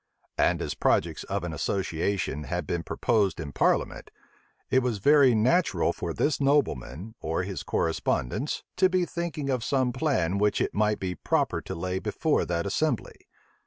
And as projects of an association had been proposed in parliament, it was very natural for this nobleman, or his correspondents, to be thinking of some plan which it might be proper to lay before that assembly.